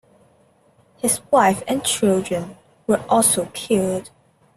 His wife and children were also killed.